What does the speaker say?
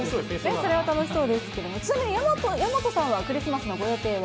それは楽しそうですけれども、ちなみに、矢本さんは、クリスマスのご予定は。